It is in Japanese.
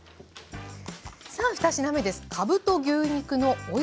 さあ２品目です。